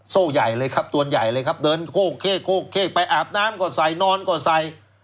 โซ่ใหญ่เลยครับตัวใหญ่เลยครับเดินโคกเข้โกกเข้ไปอาบน้ำก็ใส่นอนก็ใส่